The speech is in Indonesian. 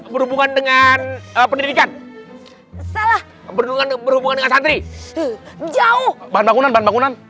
berhubungan dengan pendidikan salah berhubungan berhubungan dengan santri jauh bahan bangunan bahan bangunan